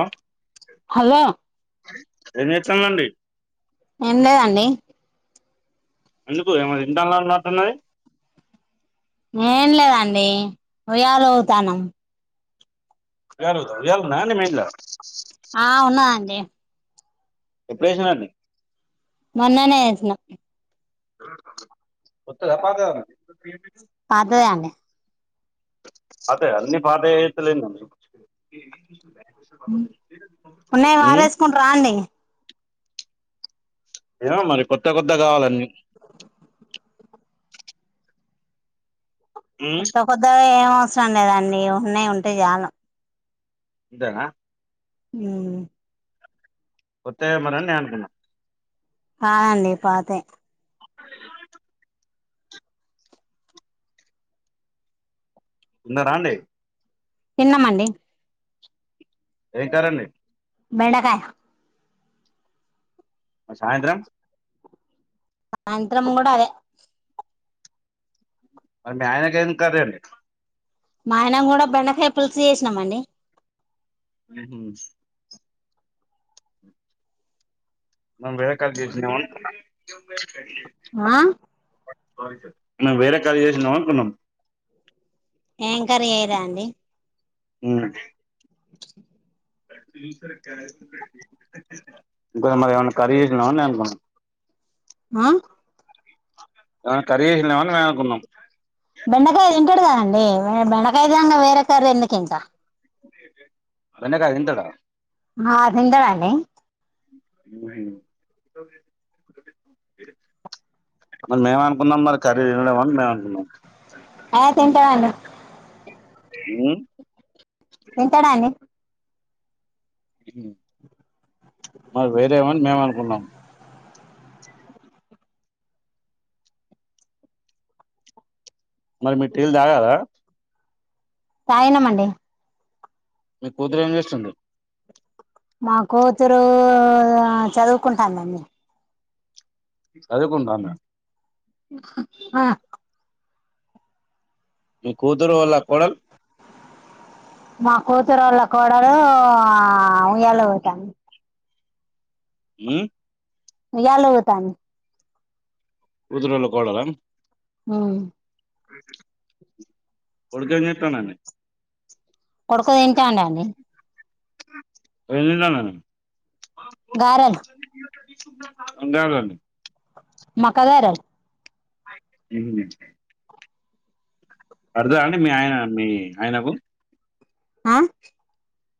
ఆ హలో ఏం చేస్తానుండి ఏం లేదు అండి ఎందుకు ఏమో తింటాలనుటున్నది ఏం లేదండి ఉయాల ఊగుతానం గర్ ఉయ్యాల ఉందా అండి మెనుడా ఆ ఉన్నదండి ఎప్పుడుఏషనండి మొన్ననే వేసిన కొత్తదా పాతదా ఒకటి పాతదే అండి అదే అన్ని పాధాయతలేన ఉన్నాయి ఉమ్ వారేసుకుంట రా అండి ఏమో మరి కొత్త కొత్త కావాలన్నీ ఉమ్ కొత్త కొత్తగా ఏం అవసరం లేదండి ఉన్నాయి ఉంటే చాలం అంతేనా ఉ కొత్తయా మరి నేను అనుకున్నా కాదు అండి పాతాయి ఒకలు ఎటు పోయిండు ఉన్నరా అండి తిన్నామండి ఏ కర్రీ అండి బెండకాయ మరి సాయంత్రం సాయంత్రము కూడా అదే మరి మీ ఆయనకి ఏం కర్రీ అండి మా ఆయన కూడా బెండకాయ పులుసు చేసినామండి ఉహు మనం వేరే కాడి నుంచి తెచ్చిండు ఏమన్నా ఆ మనం వేరే కాల్ చేసినము అనుకున్నాం ఏం కర్రీ చేయరా అండి ఉన్నా [inaudible] ఇంక మరి ఏమన్నా కర్రీ చేసినవా నేను అనుకున్నా ఆ ఏమన్నా కర్రీ చేసిలేమో అని మేము అనుకున్నాం బెండకాయ తింటాడు కదండి బెండకాయ తినంగా వేరే కర్రీ ఎందుకు ఇంకా బెండకాయ తింటాడా ఆ తింటాడు అండి ఏం అయ్యింది ఓకే మరి మేము అనుకున్నాం మరి కర్రీ తినడు ఏమో మేము అనుకున్నాం ఏ తింటామాయే దా ఉమ్ తింటాదండి మాక్ వేరేమని మేము అనుకున్నాం మరి మీరూ టీల్ తాగారా తగినమండి మీకు కూతురు అంచెస్తుంది మా కూతురు చదువుకుంటాందండి చదువుకుంటంద ఆ మీ కూతురు వళ కోడల్ మా కూతురుళ్ళ కోడలు ఉయ్యాల ఉగుతాంది ఉ ఊయల ఉగుతాంది కొతురోలా కోడల ఉమ్ కోడుకు ఎం చేత్తడండి కొడుకు తింటాందండి ఏం తింట్టందండి గరల్ అంటేడండి మక్కా గారల్ ఉహు అర్థ అండి మీ ఆయన మీ ఆయనకు ఆ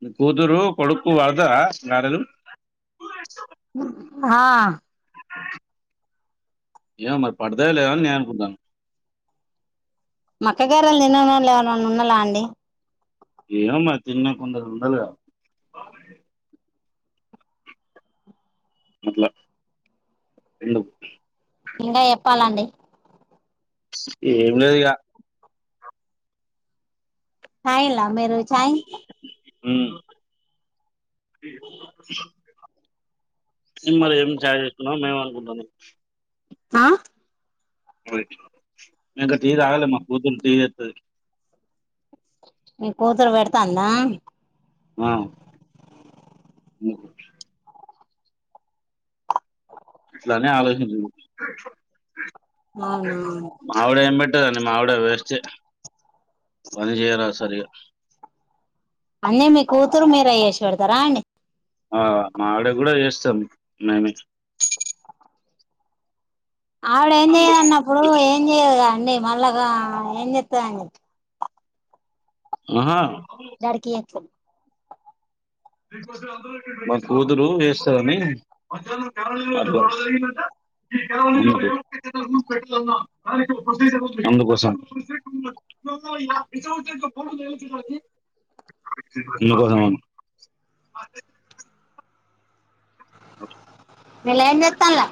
మీ కూతురు కొడుకు కడుతదా గారెలు హా ఏమొ మరి పడుతయో లేవ అని నేనుకుంటాన మక్క గారలు తిననోళ్ళు ఎవలన్న ఉన్నలా అండి ఏమో మరి తిననోళ్ళు కొందరు ఉంటలు గద అట్ల రెండు ఇంగా చెప్పాలండి ఏం లేదిగా తగిళ్ల మీరు చాయ్ ఉమ్ సిమరి ఏమి చాయ చేస్తన్నా మే అనుకుంటాన్న ము ఆ ఇంక టీ తాగలే మా కూతురు టీ చెత్తది మీ కూతురు పేడతందా ఆ ఇట్లా నే ఆలోచించూ అవునా మావిడ ఏబెట్టదండి మావిడ వేస్ట్ ఎ పని చేయరాదు సరిగా అన్నీ మీ కూతురు మీరె చేసి వెడతారా అండి ఆ మా ఆవిడ గుడా చేస్తాం మేమే ఆవిడ ఏం చెయ్యదన్నప్పుడు ఏం చెయ్యదుగా అండి మళ్ళాగా ఏం చెస్త దండి ఆహా డాడీ కి ఎట్లే మ కూతురు ఏస్తదని అగ్గువ ఈ కే పెన్నా దానికి ప్రొసీజర్ [unintelligible] ముందుకు పోదామ విల ఏం చేతన్లా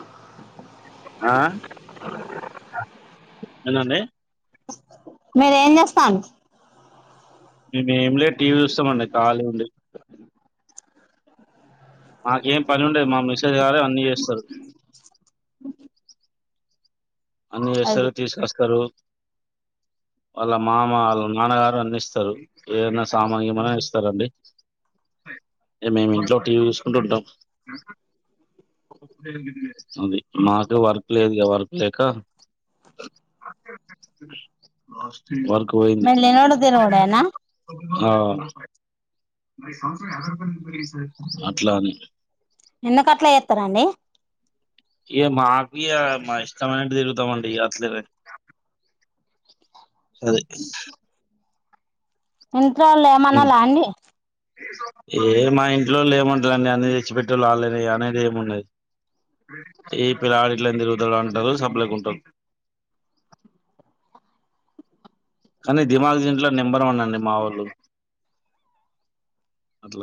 ఏం దండి మీర ఏం జెస్తరు మేము ఏమి లేదు టీవీ చూస్తామండి కాలి ఉండి మాకేం పని ఉండది మా మిసేజ్ గారే అన్నీ జెస్తారు అన్ని అది చేస్తరు తీసుకొస్తరు వాళ్ళ మామ వాళ్ళ నాన్నగారు అన్ని ఇస్తరు ఏదన సామాను గీమన ఇస్తరండి ఇంగ మేము ఇంట్లోటీవీ చూసుకుంటూఉంటము అది మాతో వర్క్ లేదు వర్క్ లే క వర్క్ పోయింది మీరు తినోడు తినోడేనా ఆవ్ అట్లాని ఎందుకట్ల చేత్తరండి ఇగ మాకు ఇగ మా ఇష్టమైనట్టు తిరుగుతమండి ఇగ అట్లనే అది ఇంట్లోవాళ్ళు ఏమనలా ఉమ్. అండి ఏ మా ఇంట్లో ఏమంటరండీ అన్నీ తెచ్చిపెట్టేటోళ్ళు అల్లేనాఎ అనేది ఏమున్నది ఈ ఫ్యానిట్లెందుకు తిరు ఇట్ల అంటరు సప్లైఖ కుంటారు కాని దిమాగ్ దింట్లో నెంబర్ వన్ అండి మా ఓళ్ళు అట్ల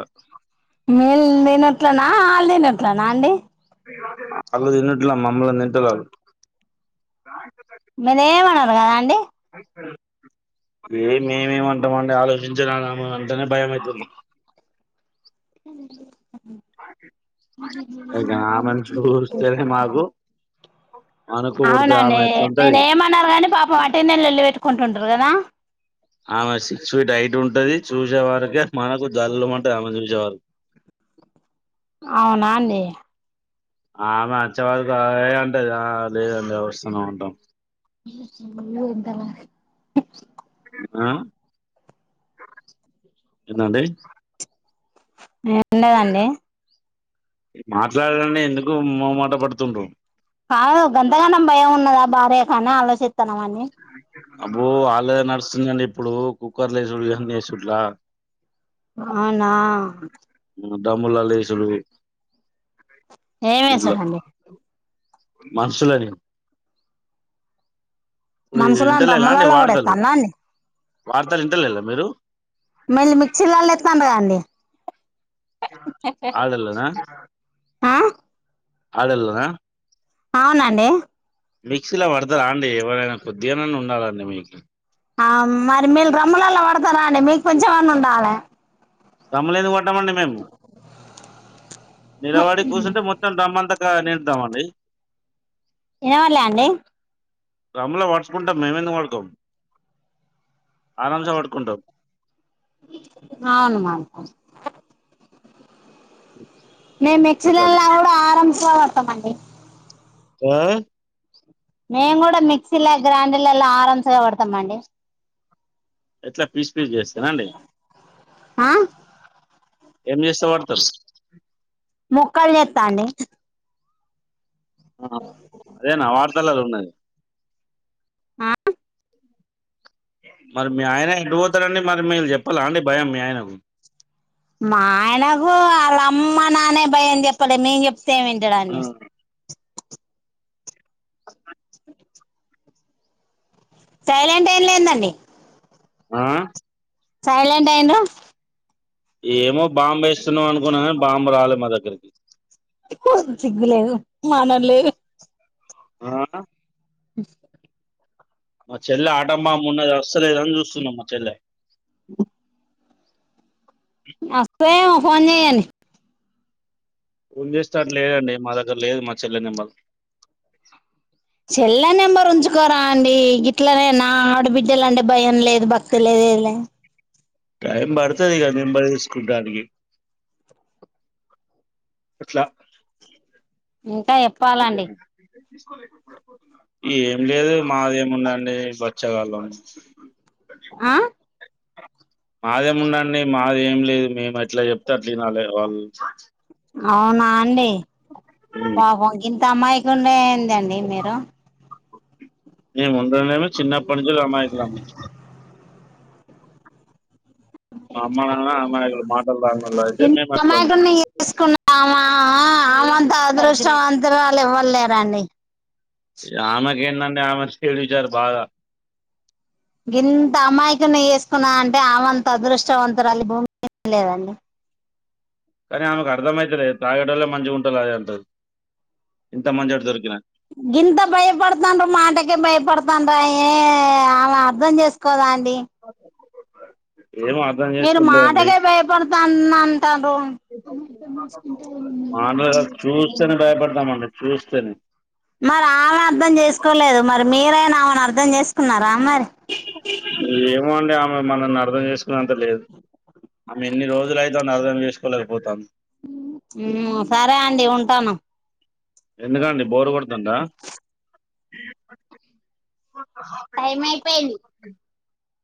మేల్ తినట్లనా ఆళ్ళు తినట్లనా అండి వాళ్లు తిన్నట్ల మమ్మల్ని తింటరు వాళ్ళు మీర ఏమన్నారు కదా అండి అ ఏ మేమేమంటామండి ఆలోచించాలమ అంటేనే భయమవుతుంది అడి ఇంకా ఆమెను చూస్తేనే మాకు అనుకోకూడదు అవునండి ఆమె ఎట్లుంటది మీరు ఏమన్నారు కానీ పాపం వాటినె లోలు పెట్టుకుంటుంటారు కదా ఆమె సిక్స్ ఫీట్ హైట్ ఉంటది చూసేవరకే మనకు జల్లుమంటది ఆమె చూసేవారుకి అవునా అండి ఆమె అచ్చేవారుకు అంటే లేదండి వస్తనే ఉంటాం ఇంతల ఆ ఎందండీ ఉండదండి మాట్లాడండి ఎందుకు మోమట పడుతుండ్రు కాదు గంతగంనం భయం ఉన్నదా భార్య కానీ ఆలోచిస్తన్నాం అండి అబ్బో వాళ్ళద నడుస్తుందండి ఇప్పుడు కుక్కర్లు వేసుడు ఇవన్నీ వేసట్లా అవునా డమ్ముల్లాల వేసుడు ఏం ఇట్లా వేసుందండి మనుషులని ఇప్పుడు మనుషులని ఇంటలేలా అండి డామ్మలలో కూడా వార్తలు ఏతాన్ర అండి వార్తలు ఇంటలేలా మీరు మళ్ళీ మిక్సీర్లళ ఏతండ్రు కదండీ ఆడలనా ఆ ఆడల్నా అవునండి మిక్సీలో పడతారా అండి ఎవరైనా కొద్దిగనైన ఉండాలండి మీకు ఆ మరి మీరు రమ్ములలో పడతార అండి మీకు కొంచెమన్న ఉండాలి రామ్మూలెట్ల కొట్టమండి మేము నిలబడి కూర్చుంటే మొత్తం డ్రంబంతా నిండుతామండి ఇనబల్లే అండి రములా వాడుచుకుంటాం మేము ఎందుకు పడుకొమ్ ఆరాంస పడుకుంటం అవును మల్లా మేము అందుకని మిక్సీలన్లా కూడా ఆరంభించ పడుతమండి ఆ మేము కూడా మిక్సీలో గ్రైండర్లలా ఆరాంసగా పడతాం అండి ఎట్లా బిజినెస్ చేస్తార అండి ఆ ఏం చేస్తే పడుతరు తానేే ఆ అదేనా వార్తలలో ఉన్నాది ఆ మరి మీ ఆయన ఎటు పోతరండి మరి మీరు చెప్పారా అండి భయం మీ ఆయనకు మా ఆయనకు వాళ్ళ అమ్మ నాన్నే భయం చెప్పలే మేం చెప్పితే వింటాడా ఆ, అండి సైలెంట్ అయ్యి లేందండి ఆ సైలెంట్ అయిన్రు ఏమో బాంబు వేస్తున్నావు అనుకున్నా గాని బాంబు రాలే మా దగ్గరకి సిగ్గులేదు మానం లేదు ఆ అస్ే మా చెల్లె ఆటాంబాంబు ఉన్నది వస్తలేదని చూస్తున్నాం మా చెల్లె [unintelligible] వస్తే ఫోన్ చేయండి చేసేటట్టు లేదండి మా దగ్గర లేదు మా చెల్లె నిమ్మల్ చెల్ల నెంబర్ ఉంంచుకోర అండి ఇగనైనా ఆడబిడ్డలంటే భయం లేదు భక్తి లేదు టైం పడుతది కదా నెంబర్ తీసుకుంటానికి అట్లా ఇంకా చెప్పాలండి ఏం లేదు మాది ఏముందండి బచ్చగాళ్ళం ఆ మాదేమి ఉందండి మాది ఏమి లేదు మేము ఎట్లా చెప్తే అట్న వినాలే వాళ్ళు అవునా అండి పాపం గింత అమయకుడు ఏందండి మీరు మేము ఉండడమే చిన్నప్పటి నుంచి అమాయకులం మా అమ్మా నాన్నా అమాయకులు మాటలు రావు మీమట్లనే ఉన్నాం తెల్సుకున్న అమంత అదృష్టవంతురాలు ఎవ్వరు లేరండి ఆమెకి ఏంటండీ ఆమె చేడు విషయాలు బాగా గింత అమయకుని చేసుకున్నాదంటే ఆమంత అదృష్టవంతురాలు ఈ భూమి మీద లేదండి కానీ ఆమెకు అర్థంమైతలే తాగటోళ్లే మంచిగా ఉంటరని ఆమె అంటది ఇంత మంచోడు దొరికినా గింత భయపడుతాన్రు మాటకే భయ పడుతన్ రాయే ఆమె అర్ధం చేసుకోద అండి ఏమో అర్థం మీరు చేసుకుంటలేదండి మాటకే భయపడుతాన అంటారు మాటలు చూస్తేనే భయపడతామండి చూస్తేనే మరి అలా అర్థం చేసుకోలేదు మరి మీరైన ఆమని అర్థం చేసుకున్నారా మరి ఏమో అండి అ మనల్ని అర్థం చేసుకునేంత లేదు ఆమె ఎన్ని రోజులు అయితేని అర్థం చేసుకోలేకపోతానం సరే అండి ఉంటాను ఎందుకండి బోరు కొడుతుందా టైం ఐపోయింది